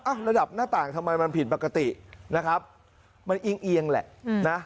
ระดับหน้าต่างทำไมมันผิดปกตินะครับมันเอียงเอียงแหละนะ